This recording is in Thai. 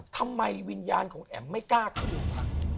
ทำไมวิญญาณของแอ๋มไม่กล้าเครื่องผัก